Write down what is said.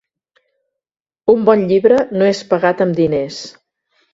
Un bon llibre no és pagat amb diners.